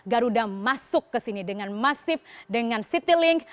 garuda masuk ke sini dengan masif dengan citylink